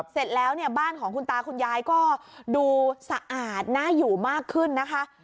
เสร็จแล้วเนี่ยบ้านของคุณตาคุณยายก็ดูสะอาดน่าอยู่มากขึ้นนะคะ